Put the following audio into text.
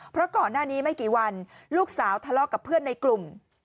เพราะก่อนหน้านี้ไม่กี่วันลูกสาวทะเลาะกับเพื่อนในกลุ่ม